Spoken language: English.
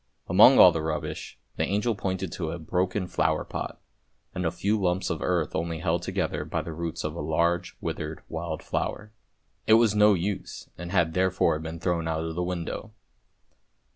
Among all the rubbish, the angel pointed to a broken flower pot and a few lumps of earth only held together by the roots of a large withered wild flower. It was no use and had there fore been thrown out of the window.